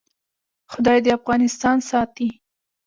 خدای دې افغانستان ساتي